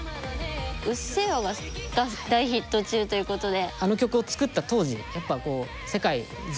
「うっせぇわ」が大ヒット中ということで。